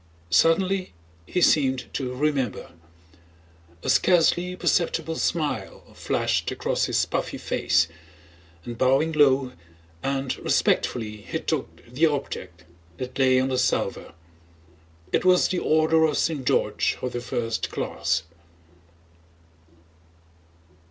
Suddenly he seemed to remember; a scarcely perceptible smile flashed across his puffy face, and bowing low and respectfully he took the object that lay on the salver. It was the Order of St. George of the First Class.